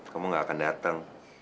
kamu gak akan datang